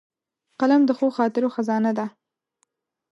قلم د ښو خاطرو خزانه ده